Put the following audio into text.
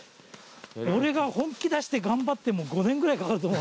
俺が本気出して頑張っても５年ぐらいかかると思う。